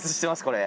これ。